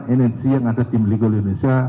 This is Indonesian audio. energi yang ada di milik indonesia